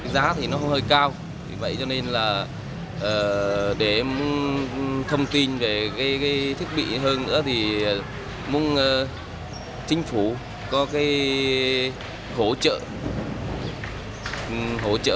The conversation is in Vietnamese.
giá thì nó hơi cao vậy cho nên là để thông tin về thiết bị hơn nữa thì mong chính phủ có hỗ trợ